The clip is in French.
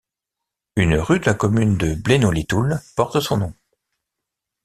Une rue de la commune de Blénod-lès-Toul porte son nom.